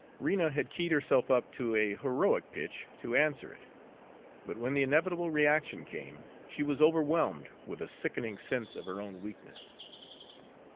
Rena had keyed herself up to a heroic pitch to answer it; but when the inevitable reaction came, she was overwhelmed with a sickening sense of her own weakness.